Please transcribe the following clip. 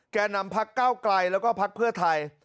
แก่นำภักดิ์เก้ากลัยและก็ภักดิ์เพื่อไทย